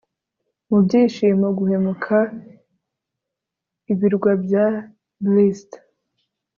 Mu byishimo guhumeka ibirwa bya blst